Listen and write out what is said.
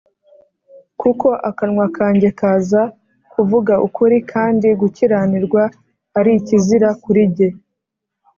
kuko akanwa kanjye kaza kuvuga ukuri, kandi gukiranirwa ari ikizira kuri jye